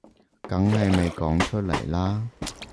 梗係咪講出嚟啦